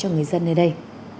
người dân ở đây